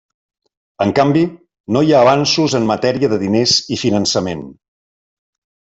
En canvi, no hi ha avanços en matèria de diners i finançament.